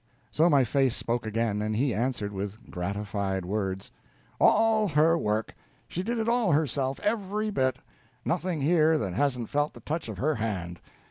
So my face spoke again, and he answered with gratified words: "All her work; she did it all herself every bit. Nothing here that hasn't felt the touch of her hand.